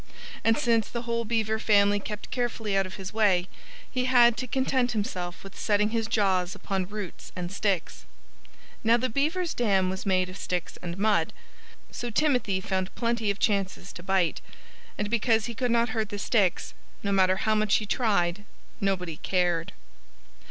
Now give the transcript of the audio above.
And since the whole Beaver family kept carefully out of his way, he had to content himself with setting his jaws upon roots and sticks. Now, the Beavers' dam was made of sticks and mud. So Timothy found plenty of chances to bite. And because he could not hurt the sticks, no matter how much he tried, nobody cared.